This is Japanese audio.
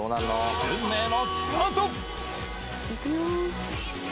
運命のスタートいくよ